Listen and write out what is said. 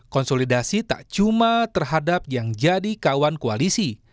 konsolidasi tak cuma terhadap yang jadi kawan koalisi